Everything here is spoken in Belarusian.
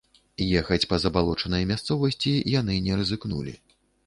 Ехаць па забалочанай мясцовасці яны не рызыкнулі.